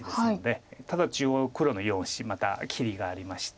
ただ中央黒の４子また切りがありまして。